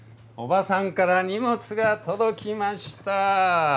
叔母さんから荷物が届きました。